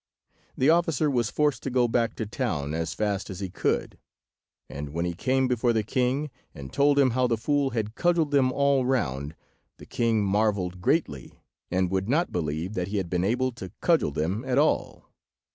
The officer was forced to go back to town as fast as he could; and when he came before the king, and told him how the fool had cudgelled them all round, the king marvelled greatly, and would not believe that he had been able to cudgel them at all.